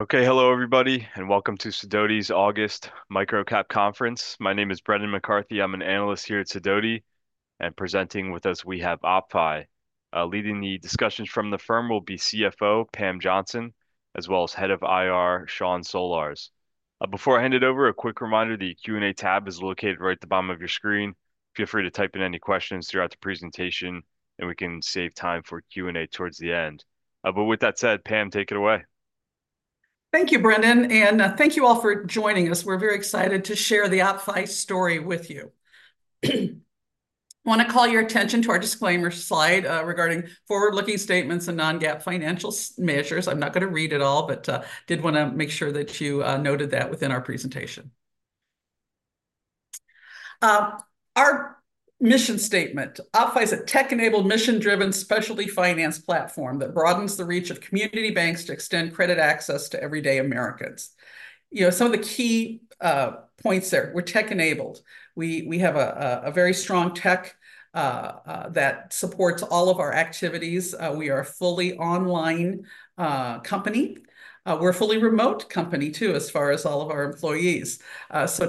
Okay. Hello, everybody, and welcome to Sidoti's August MicroCap Conference. My name is Brendan McCarthy. I'm an analyst here at Sidoti, and presenting with us, we have OppFi. Leading the discussions from the firm will be CFO Pam Johnson, as well as Head of IR, Shaun Smolarz. Before I hand it over, a quick reminder, the Q&A tab is located right at the bottom of your screen. Feel free to type in any questions throughout the presentation, and we can save time for Q&A towards the end. But with that said, Pam, take it away. Thank you, Brendan, and thank you all for joining us. We're very excited to share the OppFi story with you. I wanna call your attention to our disclaimer slide regarding forward-looking statements and non-GAAP financial measures. I'm not gonna read it all, but did wanna make sure that you noted that within our presentation. Our mission statement: OppFi is a tech-enabled, mission-driven specialty finance platform that broadens the reach of community banks to extend credit access to everyday Americans. You know, some of the key points there. We're tech-enabled. We have a very strong tech that supports all of our activities. So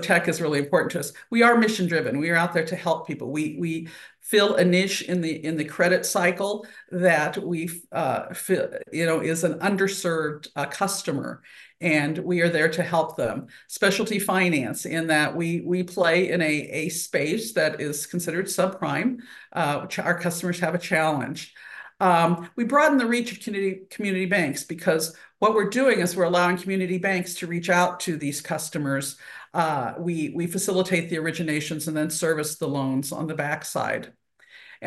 tech is really important to us. We are mission-driven. We are out there to help people. We fill a niche in the credit cycle that we fill you know, is an underserved customer, and we are there to help them. Specialty finance, in that we play in a space that is considered subprime. Our customers have a challenge. We broaden the reach of community banks because what we're doing is we're allowing community banks to reach out to these customers. We facilitate the originations and then service the loans on the backside.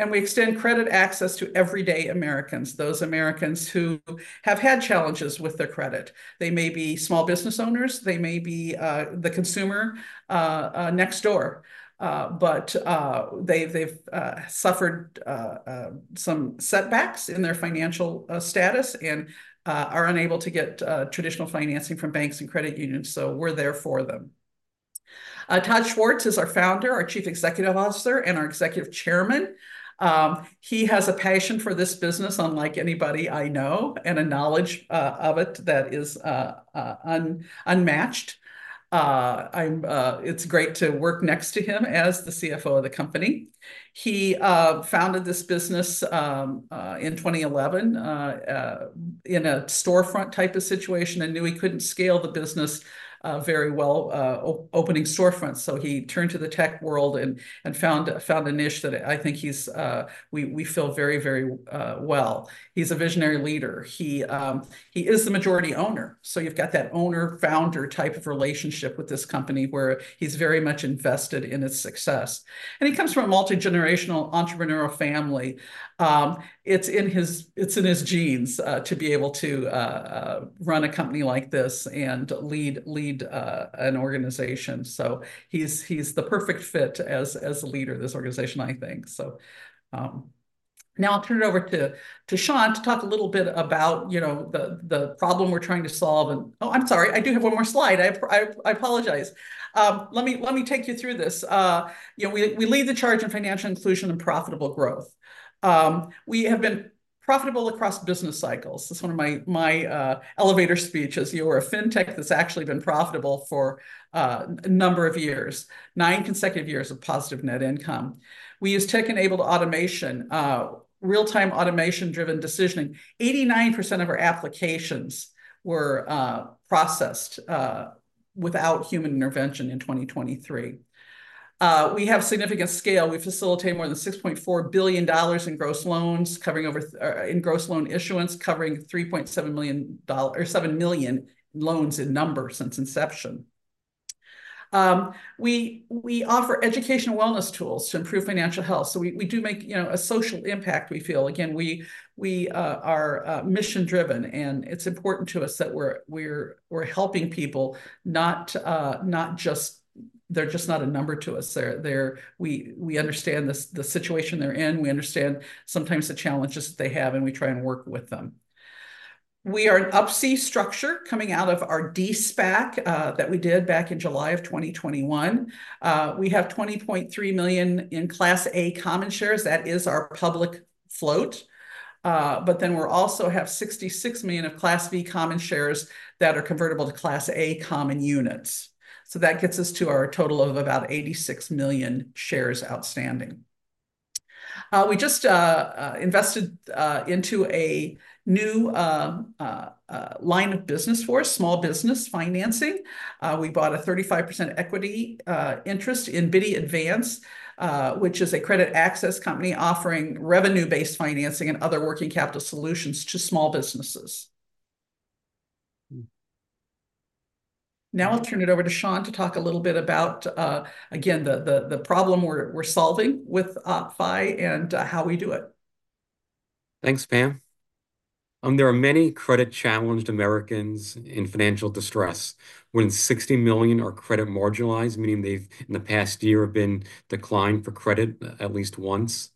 We extend credit access to everyday Americans, those Americans who have had challenges with their credit. They may be small business owners, they may be the consumer next door. But they've suffered some setbacks in their financial status and are unable to get traditional financing from banks and credit unions, so we're there for them. Todd Schwartz is our founder, our Chief Executive Officer, and our Executive Chairman. He has a passion for this business unlike anybody I know, and a knowledge of it that is unmatched. It's great to work next to him as the CFO of the company. He founded this business in 2011 in a storefront-type of situation and knew he couldn't scale the business very well opening storefronts. So he turned to the tech world and found a niche that I think we fill very well. He's a visionary leader. He is the majority owner, so you've got that owner/founder type of relationship with this company, where he's very much invested in its success. And he comes from a multigenerational entrepreneurial family. It's in his genes to be able to run a company like this and lead an organization. So he's the perfect fit as a leader of this organization, I think. So now I'll turn it over to Shaun to talk a little bit about, you know, the problem we're trying to solve and... Oh, I'm sorry, I do have one more slide. I apologize. Let me take you through this. You know, we lead the charge in financial inclusion and profitable growth. We have been profitable across business cycles. That's one of my elevator speeches. We're a fintech that's actually been profitable for a number of years, 9 consecutive years of positive net income. We use tech-enabled automation, real-time, automation-driven decisioning. 89% of our applications were processed without human intervention in 2023. We have significant scale. We facilitate more than $6.4 billion in gross loans, covering over in gross loan issuance, covering 3.7 million or 7 million loans in number since inception. We offer education and wellness tools to improve financial health, so we do make, you know, a social impact, we feel. Again, we are mission-driven, and it's important to us that we're helping people, not just- they're just not a number to us. They're... We understand the situation they're in. We understand sometimes the challenges that they have, and we try and work with them. We are an Up-C structure coming out of our De-SPAC that we did back in July 2021. We have 20.3 million Class A common shares. That is our public float. But then we're also have 66 million Class V common shares that are convertible to Class A common units, so that gets us to our total of about 86 million shares outstanding. We just invested into a new line of business for small business financing. We bought a 35% equity interest in Bitty Advance, which is a credit access company offering revenue-based financing and other working capital solutions to small businesses. Now I'll turn it over to Shaun to talk a little bit about, again, the problem we're solving with OppFi and, how we do it. Thanks, Pam. There are many credit-challenged Americans in financial distress. More than 60 million are credit-marginalized, meaning they've, in the past year, have been declined for credit at least once.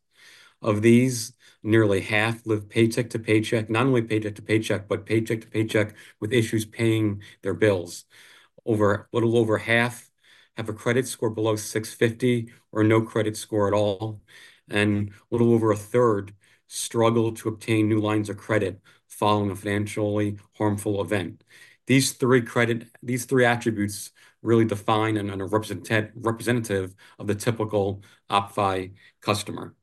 Of these, nearly half live paycheck to paycheck, not only paycheck to paycheck, but paycheck to paycheck with issues paying their bills. A little over half have a credit score below 650 or no credit score at all, and a little over a third struggle to obtain new lines of credit following a financially harmful event. These three attributes really define and are representative of the typical OppFi customer.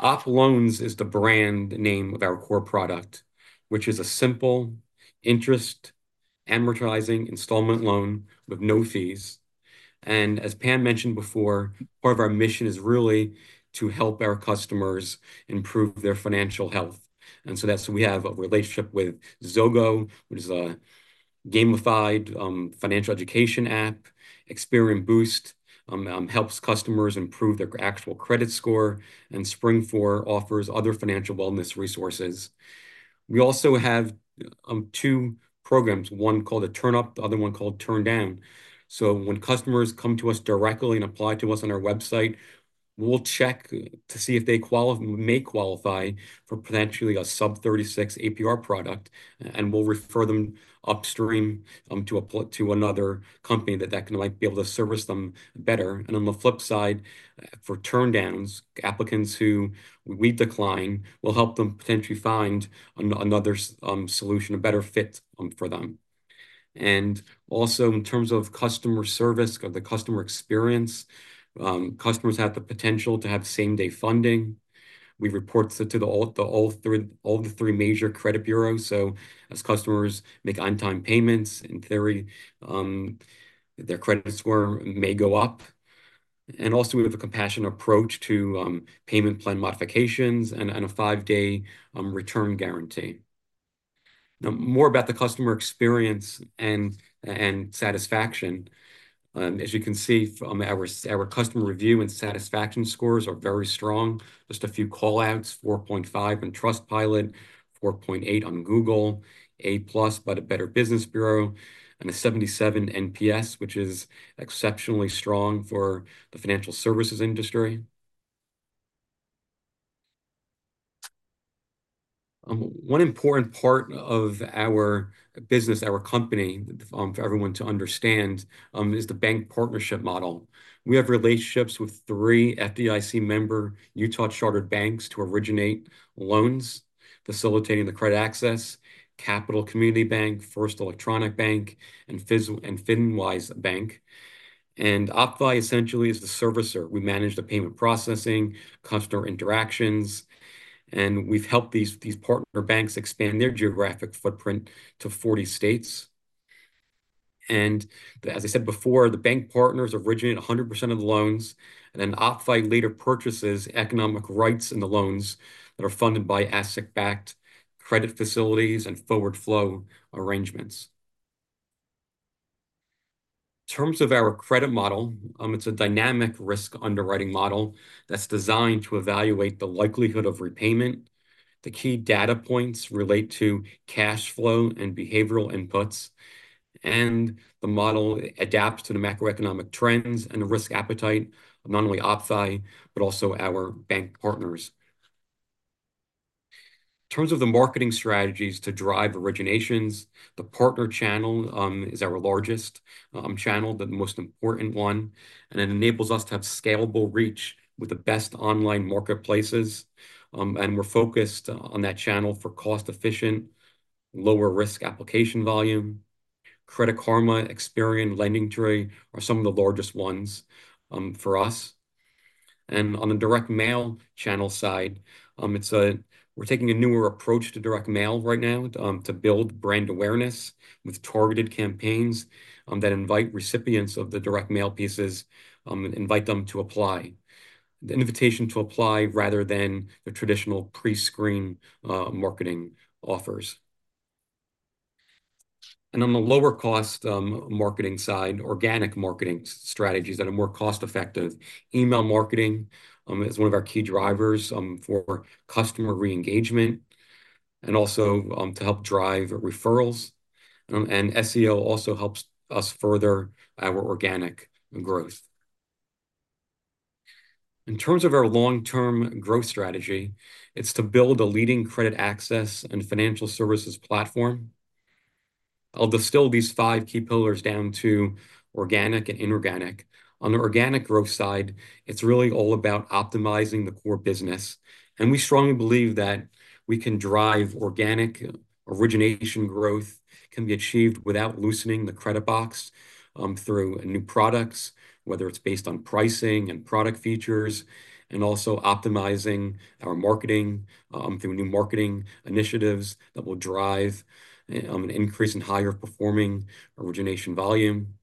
OppLoans is the brand name of our core product, which is a simple interest amortizing installment loan with no fees. And as Pam mentioned before, part of our mission is really to help our customers improve their financial health. And so that's why we have a relationship with Zogo, which is a gamified financial education app. Experian Boost helps customers improve their actual credit score, and SpringFour offers other financial wellness resources. We also have two programs, one called TurnUp, the other one called TurnDown. So when customers come to us directly and apply to us on our website, we'll check to see if they may qualify for potentially a sub-36% APR product, and we'll refer them upstream to apply to another company that can, like, be able to service them better. And on the flip side, for TurnDowns, applicants who we decline, we'll help them potentially find another solution, a better fit for them. In terms of customer service, the customer experience, customers have the potential to have same-day funding. We report to all three major credit bureaus, so as customers make on-time payments, in theory, their credit score may go up. We have a compassionate approach to payment plan modifications and a 5-day return guarantee. Now, more about the customer experience and satisfaction. As you can see from our customer review and satisfaction scores are very strong. Just a few call-outs, 4.5 in Trustpilot, 4.8 on Google, A+ by the Better Business Bureau, and a 77 NPS, which is exceptionally strong for the financial services industry. One important part of our business, our company, for everyone to understand, is the bank partnership model. We have relationships with three FDIC-member Utah-chartered banks to originate loans, facilitating the credit access: Capital Community Bank, First Electronic Bank, and FinWise Bank. OppFi essentially is the servicer. We manage the payment processing, customer interactions, and we've helped these, these partner banks expand their geographic footprint to 40 states. As I said before, the bank partners originate 100% of the loans, and then OppFi later purchases economic rights in the loans that are funded by asset-backed credit facilities and forward flow arrangements. In terms of our credit model, it's a dynamic risk underwriting model that's designed to evaluate the likelihood of repayment. The key data points relate to cash flow and behavioral inputs, and the model adapts to the macroeconomic trends and risk appetite of not only OppFi, but also our bank partners. In terms of the marketing strategies to drive originations, the partner channel is our largest channel, the most important one, and it enables us to have scalable reach with the best online marketplaces. And we're focused on that channel for cost-efficient, lower-risk application volume. Credit Karma, Experian, LendingTree are some of the largest ones for us. And on the direct mail channel side, we're taking a newer approach to direct mail right now to build brand awareness with targeted campaigns that invite recipients of the direct mail pieces, invite them to apply. The invitation to apply rather than the traditional pre-screen marketing offers. And on the lower-cost marketing side, organic marketing strategies that are more cost-effective. Email marketing is one of our key drivers for customer re-engagement and also to help drive referrals. SEO also helps us further our organic growth. In terms of our long-term growth strategy, it's to build a leading credit access and financial services platform. I'll distill these five key pillars down to organic and inorganic. On the organic growth side, it's really all about optimizing the core business, and we strongly believe that we can drive organic origination growth, can be achieved without loosening the credit box, through new products, whether it's based on pricing and product features, and also optimizing our marketing, through new marketing initiatives that will drive, an increase in higher-performing origination volume,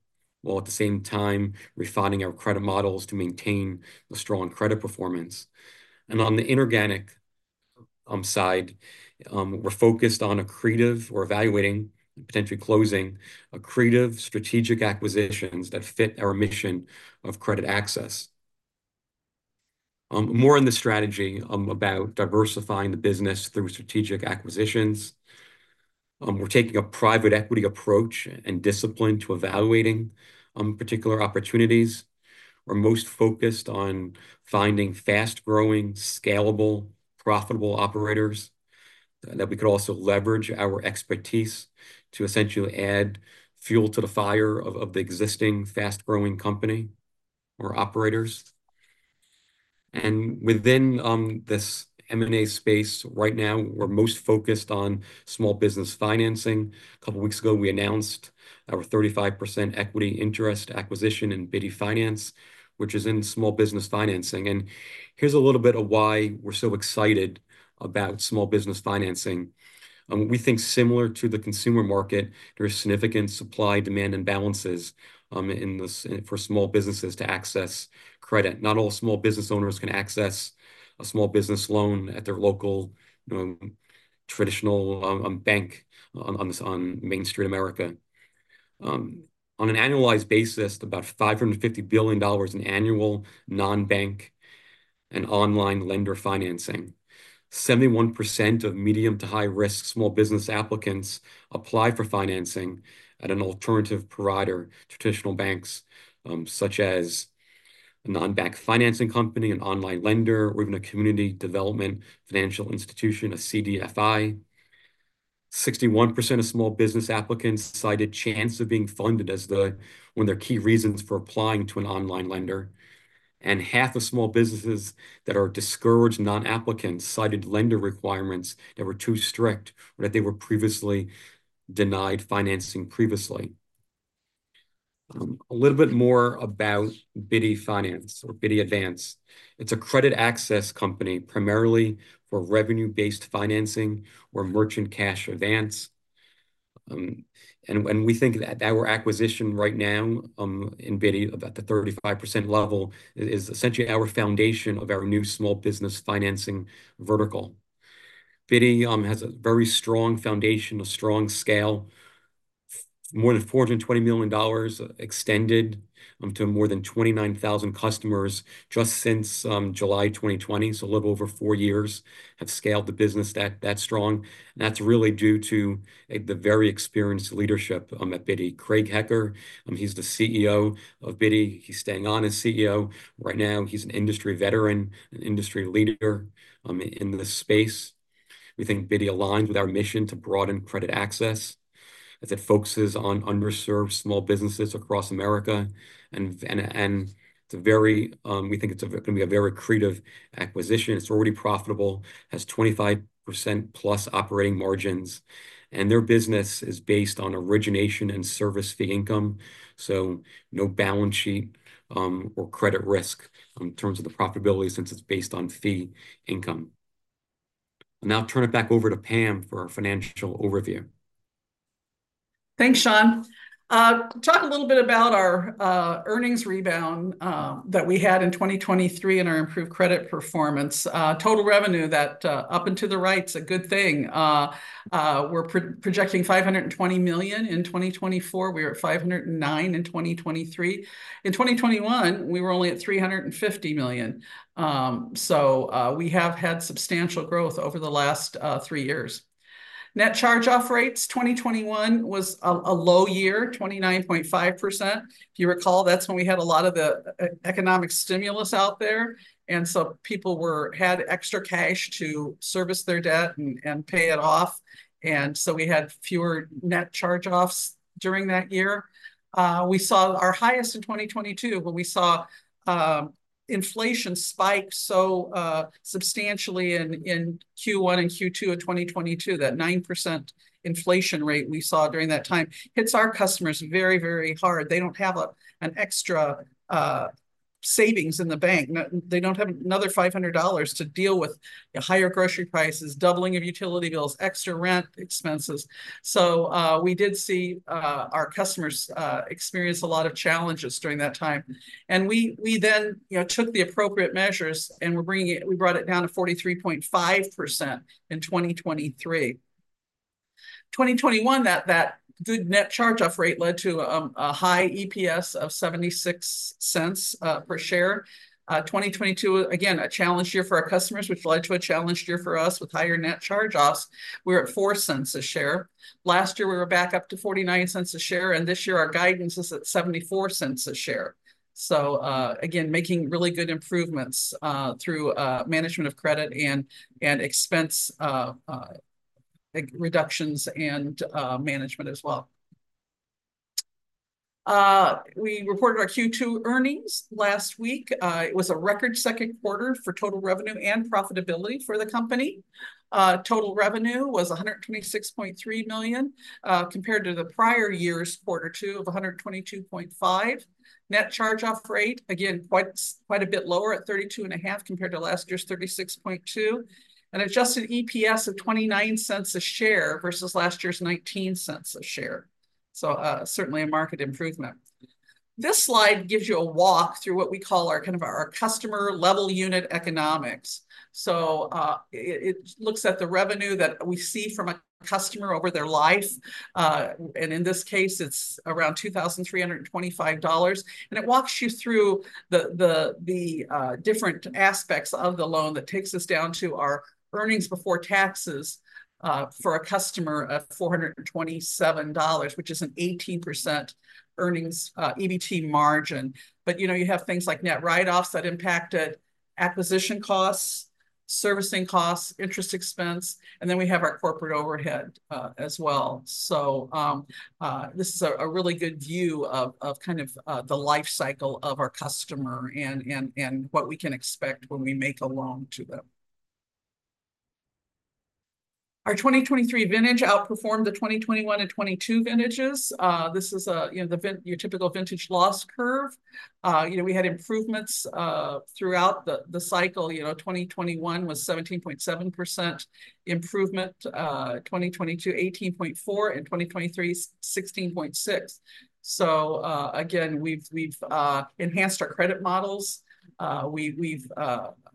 while at the same time refining our credit models to maintain the strong credit performance. On the inorganic side, we're focused on accretive, or evaluating and potentially closing accretive strategic acquisitions that fit our mission of credit access. More on the strategy, about diversifying the business through strategic acquisitions. We're taking a private equity approach and discipline to evaluating particular opportunities. We're most focused on finding fast-growing, scalable, profitable operators, that we could also leverage our expertise to essentially add fuel to the fire of the existing fast-growing company or operators. And within this M&A space right now, we're most focused on small business financing. A couple of weeks ago, we announced our 35% equity interest acquisition in Bitty Advance, which is in small business financing. And here's a little bit of why we're so excited about small business financing. We think similar to the consumer market, there are significant supply-demand imbalances in this- for small businesses to access credit. Not all small business owners can access a small business loan at their local, traditional, bank, on Main Street America. On an annualized basis, about $550 billion in annual non-bank and online lender financing. 71% of medium to high-risk small business applicants apply for financing at an alternative provider, traditional banks, such as a non-bank financing company, an online lender, or even a community development financial institution, a CDFI. 61% of small business applicants cite a chance of being funded as the one of their key reasons for applying to an online lender. Half of small businesses that are discouraged non-applicants cited lender requirements that were too strict or that they were previously denied financing previously. A little bit more about Bitty Advance. It's a credit access company, primarily for revenue-based financing or merchant cash advance. We think that our acquisition right now, in Bitty, about the 35% level, is essentially our foundation of our new small business financing vertical. Bitty has a very strong foundation, a strong scale. More than $420 million extended to more than 29,000 customers just since July 2020. So a little over four years have scaled the business that strong. That's really due to the very experienced leadership at Bitty. Craig Hecker, he's the CEO of Bitty. He's staying on as CEO. Right now, he's an industry veteran and industry leader in the space. We think Bitty aligns with our mission to broaden credit access, as it focuses on underserved small businesses across America. It's a very, We think it's going to be a very accretive acquisition. It's already profitable, has 25%+ operating margins, and their business is based on origination and service fee income, so no balance sheet or credit risk in terms of the profitability, since it's based on fee income. I'll now turn it back over to Pam for our financial overview. Thanks, Shaun. Talk a little bit about our earnings rebound that we had in 2023 and our improved credit performance. Total revenue, that up and to the right is a good thing. We're projecting $520 million in 2024. We're at $509 million in 2023. In 2021, we were only at $350 million. So, we have had substantial growth over the last three years. Net charge-off rates, 2021 was a low year, 29.5%. If you recall, that's when we had a lot of the economic stimulus out there, and so people had extra cash to service their debt and pay it off, and so we had fewer net charge-offs during that year. We saw our highest in 2022, when we saw inflation spike so substantially in Q1 and Q2 of 2022. That 9% inflation rate we saw during that time hits our customers very, very hard. They don't have an extra savings in the bank. They don't have another $500 to deal with higher grocery prices, doubling of utility bills, extra rent expenses. So, we did see our customers experience a lot of challenges during that time. And we, we then, you know, took the appropriate measures, and we're bringing it- we brought it down to 43.5% in 2023. 2021, that good net charge-off rate led to a high EPS of $0.76 per share. 2022, again, a challenge year for our customers, which led to a challenged year for us with higher net charge-offs. We're at $0.04 a share. Last year, we were back up to $0.49 a share, and this year, our guidance is at $0.74 a share. So, again, making really good improvements through management of credit and expense reductions and management as well. We reported our Q2 earnings last week. It was a record second quarter for total revenue and profitability for the company. Total revenue was $126.3 million, compared to the prior year's Q2 of $122.5 million. Net charge-off rate, again, quite a bit lower at 32.5%, compared to last year's 36.2%. Adjusted EPS of $0.29 a share versus last year's $0.19 a share. So, certainly a market improvement. This slide gives you a walk through what we call our customer level unit economics. It looks at the revenue that we see from a customer over their life. And in this case, it's around $2,325. And it walks you through the different aspects of the loan that takes us down to our earnings before taxes for a customer of $427, which is an 18% earnings EBT margin. But, you know, you have things like net write-offs that impacted acquisition costs, servicing costs, interest expense, and then we have our corporate overhead as well. So, this is a really good view of kind of the life cycle of our customer and what we can expect when we make a loan to them. Our 2023 vintage outperformed the 2021 and 2022 vintages. This is, you know, your typical vintage loss curve. You know, we had improvements throughout the cycle. You know, 2021 was 17.7% improvement, 2022, 18.4%, and 2023, 16.6%. So, again, we've enhanced our credit models. We've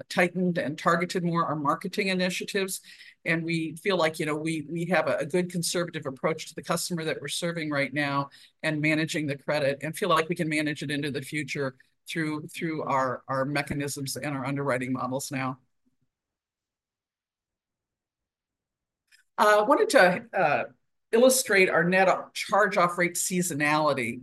tightened and targeted more our marketing initiatives, and we feel like, you know, we have a good conservative approach to the customer that we're serving right now and managing the credit, and feel like we can manage it into the future through our mechanisms and our underwriting models now. I wanted to illustrate our net charge-off rate seasonality.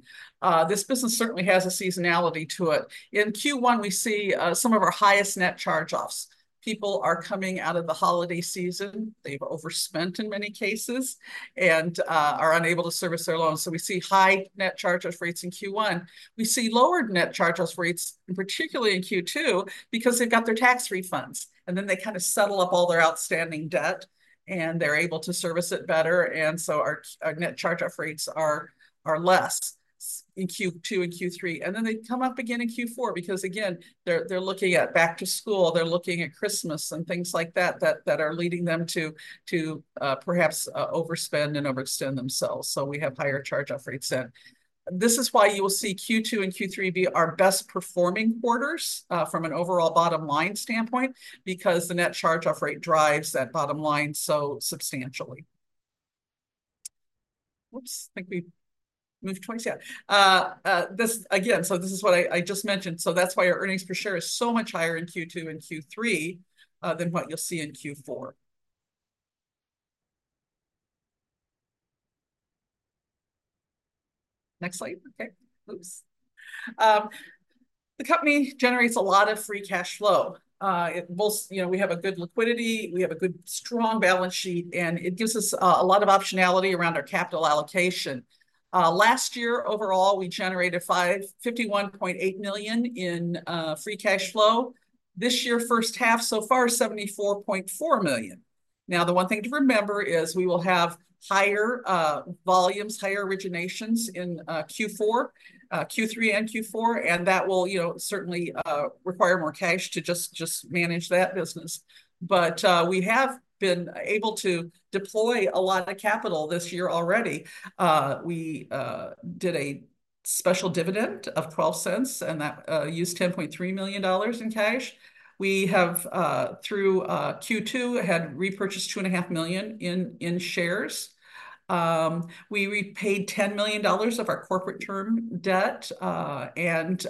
This business certainly has a seasonality to it. In Q1, we see some of our highest net charge-offs. People are coming out of the holiday season. They've overspent in many cases and are unable to service their loans. So we see high net charge-off rates in Q1. We see lowered net charge-off rates, particularly in Q2, because they've got their tax refunds, and then they kind of settle up all their outstanding debt, and they're able to service it better, and so our net charge-off rates are less in Q2 and Q3. Then they come up again in Q4, because, again, they're looking at back to school, they're looking at Christmas and things like that that are leading them to perhaps overspend and overextend themselves. So we have higher charge-off rates then. This is why you will see Q2 and Q3 be our best performing quarters from an overall bottom line standpoint, because the net charge-off rate drives that bottom line so substantially. Whoops, I think we moved twice. Yeah. This again, so this is what I just mentioned, so that's why our earnings per share is so much higher in Q2 and Q3 than what you'll see in Q4. Next slide. Okay, oops. The company generates a lot of free cash flow. It will. You know, we have a good liquidity, we have a good, strong balance sheet, and it gives us a lot of optionality around our capital allocation. Last year, overall, we generated $551.8 million in free cash flow. This year, first half so far, $74.4 million. Now, the one thing to remember is we will have higher volumes, higher originations in Q3 and Q4, and that will, you know, certainly require more cash to just manage that business. But we have been able to deploy a lot of the capital this year already. We did a special dividend of $0.12, and that used $10.3 million in cash. We have, through Q2, had repurchased 2.5 million shares. We repaid $10 million of our corporate term debt, and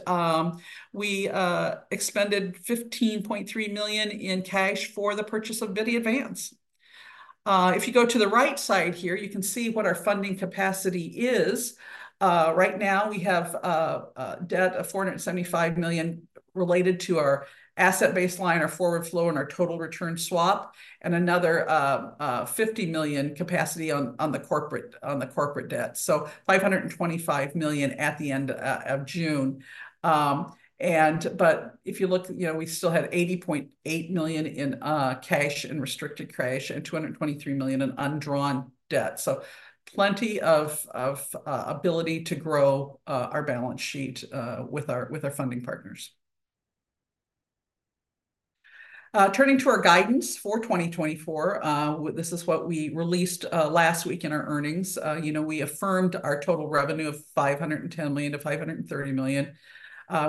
we expended $15.3 million in cash for the purchase of Bitty Advance. If you go to the right side here, you can see what our funding capacity is. Right now, we have a debt of $475 million related to our asset-based line, our forward flow, and our total return swap, and another $50 million capacity on the corporate debt. So $525 million at the end of June. But if you look, you know, we still had $80.8 million in cash, in restricted cash, and $223 million in undrawn debt. So plenty of ability to grow our balance sheet with our funding partners. Turning to our guidance for 2024, this is what we released last week in our earnings. You know, we affirmed our total revenue of $510 million-$530 million.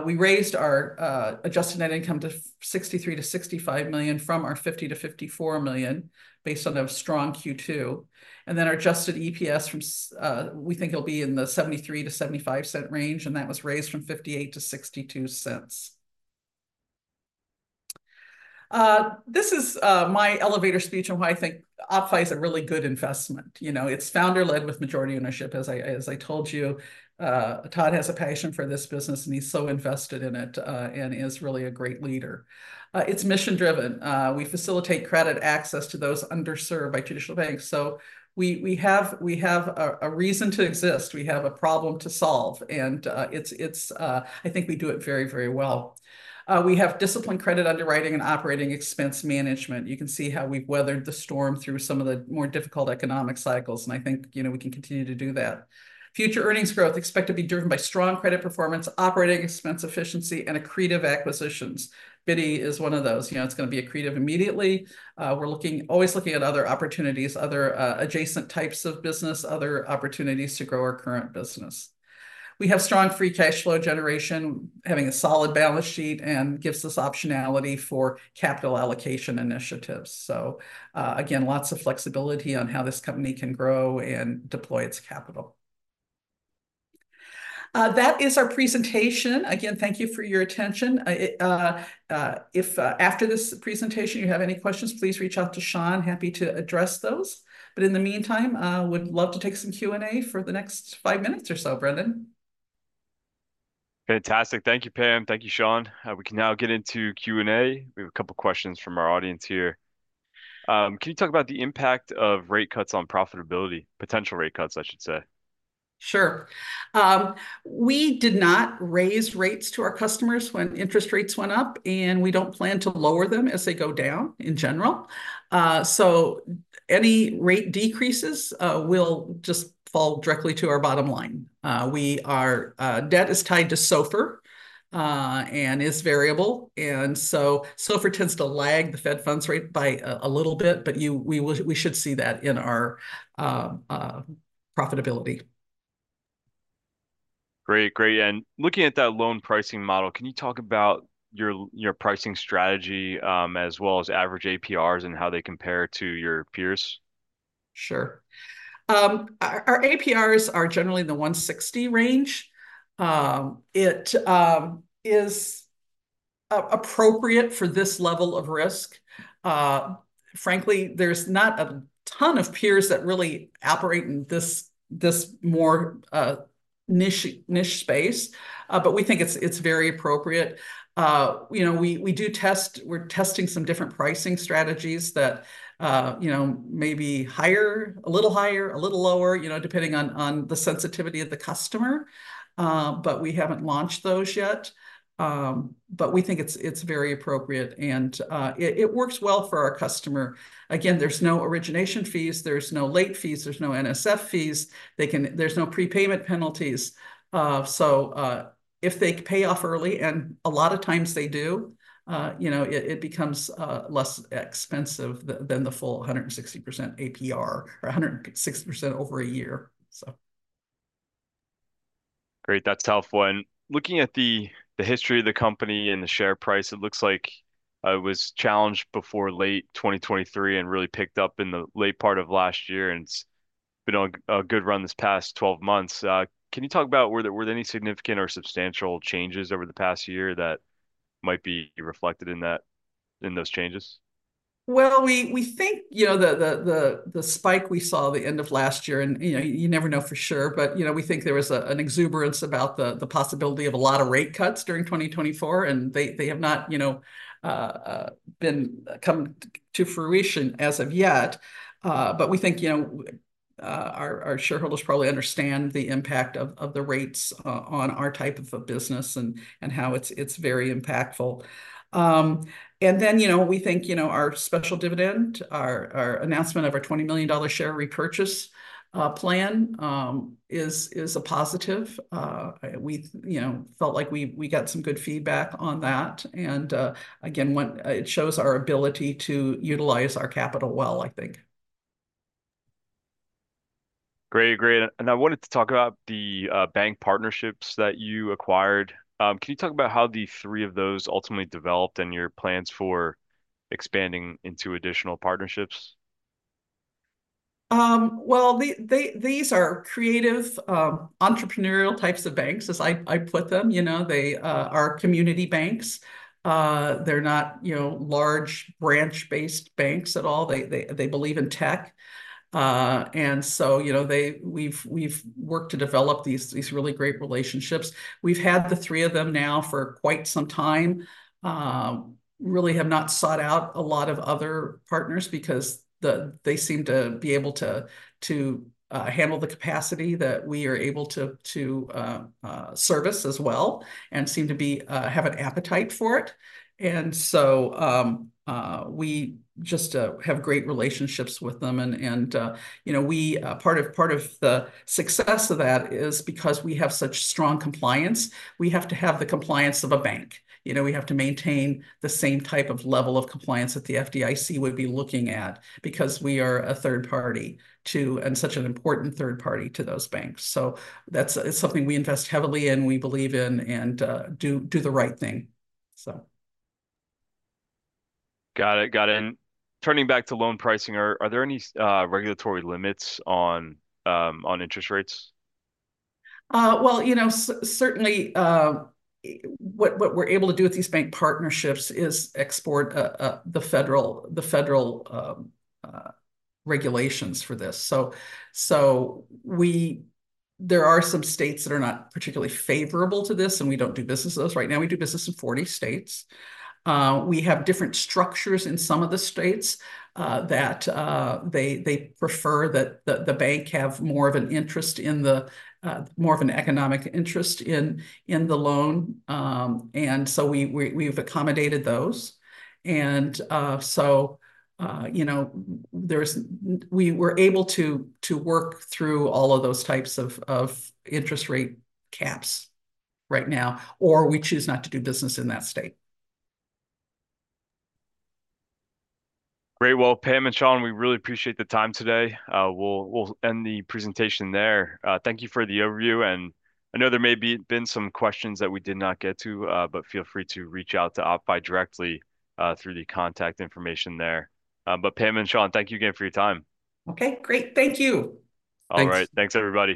We raised our adjusted net income to $63 million-$65 million from our $50 million-$54 million, based on a strong Q2. And then our adjusted EPS from, we think it'll be in the $0.73-$0.75 range, and that was raised from $0.58-$0.62. This is my elevator speech on why I think OppFi is a really good investment. You know, it's founder-led with majority ownership, as I told you. Todd has a passion for this business, and he's so invested in it, and is really a great leader. It's mission driven. We facilitate credit access to those underserved by traditional banks, so we have a reason to exist. We have a problem to solve, and it's... I think we do it very, very well. We have disciplined credit underwriting and operating expense management. You can see how we've weathered the storm through some of the more difficult economic cycles, and I think, you know, we can continue to do that. Future earnings growth expect to be driven by strong credit performance, operating expense efficiency, and accretive acquisitions. Bitty is one of those, you know, it's going to be accretive immediately. We're looking, always looking at other opportunities, other adjacent types of business, other opportunities to grow our current business. We have strong free cash flow generation, having a solid balance sheet, and gives us optionality for capital allocation initiatives. So, again, lots of flexibility on how this company can grow and deploy its capital. That is our presentation. Again, thank you for your attention. If, after this presentation you have any questions, please reach out to Shaun. Happy to address those. In the meantime, would love to take some Q&A for the next five minutes or so, Brendan? ... Fantastic. Thank you, Pam. Thank you, Shaun. We can now get into Q&A. We have a couple questions from our audience here. Can you talk about the impact of rate cuts on profitability? Potential rate cuts, I should say. Sure. We did not raise rates to our customers when interest rates went up, and we don't plan to lower them as they go down, in general. So any rate decreases will just fall directly to our bottom line. Debt is tied to SOFR and is variable, and so SOFR tends to lag the fed funds rate by a little bit, but we should see that in our profitability. Great. Great, looking at that loan pricing model, can you talk about your, your pricing strategy, as well as average APRs and how they compare to your peers? Sure. Our APRs are generally in the 160 range. It is appropriate for this level of risk. Frankly, there's not a ton of peers that really operate in this more niche space, but we think it's very appropriate. You know, we do test... We're testing some different pricing strategies that, you know, may be higher, a little higher, a little lower, you know, depending on the sensitivity of the customer. But we haven't launched those yet. But we think it's very appropriate, and it works well for our customer. Again, there's no origination fees, there's no late fees, there's no NSF fees. There's no prepayment penalties. So, if they pay off early, and a lot of times they do, you know, it, it becomes less expensive than the full 160% APR, or 160% over a year, so. Great. That's helpful. And looking at the history of the company and the share price, it looks like it was challenged before late 2023, and really picked up in the late part of last year, and it's been on a good run this past 12 months. Can you talk about were there, were there any significant or substantial changes over the past year that might be reflected in that, in those changes? Well, we think, you know, the spike we saw at the end of last year, and, you know, you never know for sure, but, you know, we think there was an exuberance about the possibility of a lot of rate cuts during 2024, and they have not, you know, come to fruition as of yet. But we think, you know, our shareholders probably understand the impact of the rates on our type of a business and how it's very impactful. And then, you know, we think, you know, our special dividend, our announcement of our $20 million share repurchase plan, is a positive. We, you know, felt like we got some good feedback on that, and again, it shows our ability to utilize our capital well, I think. Great. Great, and I wanted to talk about the bank partnerships that you acquired. Can you talk about how the three of those ultimately developed and your plans for expanding into additional partnerships? Well, these are creative, entrepreneurial types of banks, as I put them. You know, they are community banks. They're not, you know, large branch-based banks at all. They believe in tech, and so, you know, we've worked to develop these really great relationships. We've had the three of them now for quite some time. Really have not sought out a lot of other partners because they seem to be able to handle the capacity that we are able to service as well, and seem to have an appetite for it. We just have great relationships with them and, you know, we... Part of the success of that is because we have such strong compliance. We have to have the compliance of a bank. You know, we have to maintain the same type of level of compliance that the FDIC would be looking at, because we are a third party to, and such an important third party to those banks. So that's something we invest heavily in. We believe in it, and do the right thing, so. Got it. Got it. And turning back to loan pricing, are there any regulatory limits on interest rates? Well, you know, certainly what we're able to do with these bank partnerships is export the federal regulations for this. So there are some states that are not particularly favorable to this, and we don't do business with those. Right now, we do business in 40 states. We have different structures in some of the states that they prefer that the bank have more of an interest in the more of an economic interest in the loan. And so we've accommodated those. And so, you know, we were able to work through all of those types of interest rate caps right now, or we choose not to do business in that state. Great. Well, Pam and Shaun, we really appreciate the time today. We'll end the presentation there. Thank you for the overview, and I know there may have been some questions that we did not get to, but feel free to reach out to OppFi directly, through the contact information there. But Pam and Shaun, thank you again for your time. Okay, great. Thank you! Thanks. All right. Thanks, everybody.